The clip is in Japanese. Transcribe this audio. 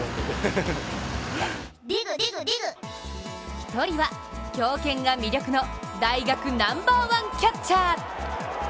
１人は、強肩が魅力の大学ナンバーワンキャッチャー。